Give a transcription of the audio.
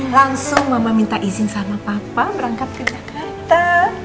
langsung mama minta izin sama papa berangkat ke jakarta